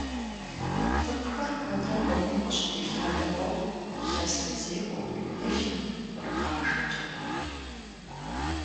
Цӏыкӏухэр куэдрэ гъуэгум къыщытелъадэ къохъу лъэсырызекӀуэу е лъакъуэрыгъажэкӏэ.